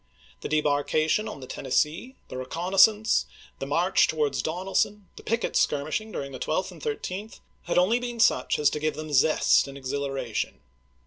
The debarkation on the Tennessee, the re connaissance, the inarch towards Donelson, the ^''is62^'^' picket skirmishing during the 12th and 13th, had only been such as to give them zest and exhilara tion.